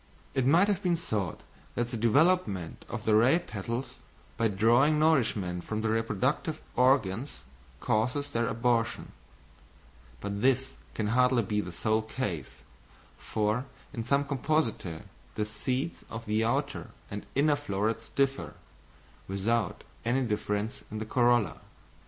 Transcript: It might have been thought that the development of the ray petals, by drawing nourishment from the reproductive organs causes their abortion; but this can hardly be the sole case, for in some Compositæ the seeds of the outer and inner florets differ, without any difference in the corolla.